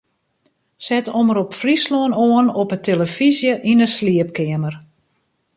Set Omrop Fryslân oan op de tillefyzje yn 'e sliepkeamer.